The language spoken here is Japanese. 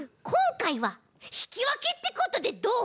かいはひきわけってことでどう？